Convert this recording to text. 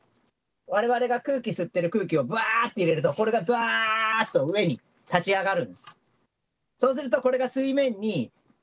われわれが空気吸ってる空気をばーって入れると、これがどわーっと上に立ち上がる。